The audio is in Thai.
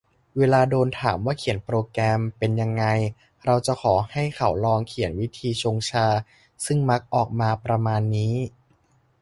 เวลาโดนถามว่าเขียนโปรแกรมเป็นยังไง เราจะขอให้เขาลองเขียนวิธีชงชา ซึ่งมักออกมาประมาณนี้